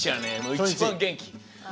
一番元気！